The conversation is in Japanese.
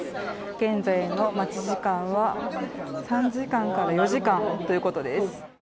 現在の待ち時間は、３時間から４時間ということです。